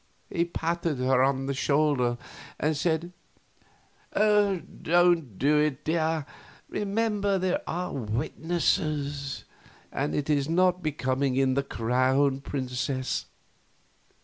He patted her on the shoulder and said: "Don't do it, dear; remember, there are witnesses, and it is not becoming in the Crown Princess.